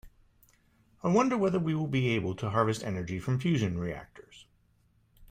I wonder whether we will be able to harvest energy from fusion reactors.